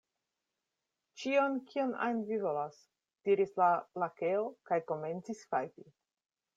"Ĉion, kion ajn vi volas!" diris la Lakeo, kaj komencis fajfi.